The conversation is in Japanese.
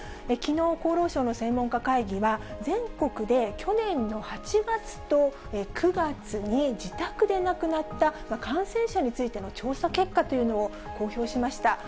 きのう、厚労省の専門家会議は、全国で去年の８月と９月に、自宅で亡くなった感染者についての調査結果というのを公表しました。